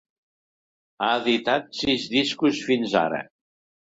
Ha editat sis discos fins ara.